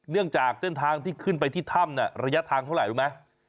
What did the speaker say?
เนื่องจากเส้นทางที่ขึ้นไปที่ถ้ำเนี่ยระยะทางเท่าไรรู้มั้ย